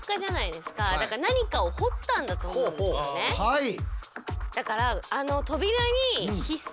はい！